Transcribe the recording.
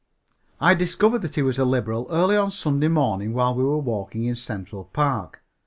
I discovered that he was a liberal early on Sunday morning while we were walking in Central Park.